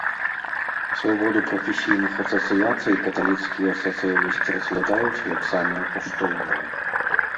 Свабоду прафесійных асацыяцый каталіцкія сацыялісты разглядаюць, як самае каштоўнае.